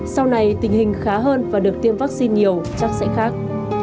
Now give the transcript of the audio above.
sau này tình hình khá hơn và được tiêm vaccine nhiều chắc sẽ khác